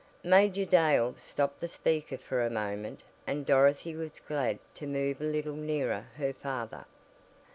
Major Dale stopped the speaker for a moment and Dorothy was glad to move a little nearer her father.